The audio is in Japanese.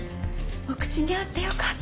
お口に合ってよかった。